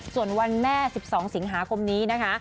ส่วนวันแม่๑๒สิงหาคมนี้นะคะ